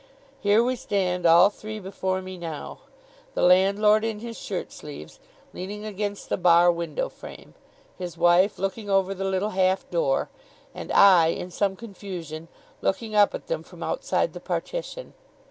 Here we stand, all three, before me now. The landlord in his shirt sleeves, leaning against the bar window frame; his wife looking over the little half door; and I, in some confusion, looking up at them from outside the partition.